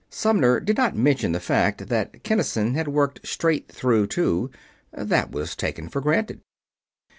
Sumner did not mention the fact that Kinnison had worked straight through, too. That was taken for granted.